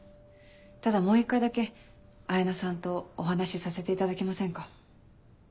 ただもう一回だけ彩菜さんとお話しさせていただけませんか。